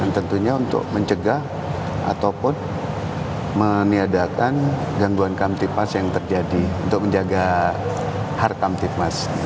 tentunya untuk mencegah ataupun meniadakan gangguan kamtipas yang terjadi untuk menjaga harkam tipmas